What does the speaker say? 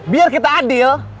biar kita adil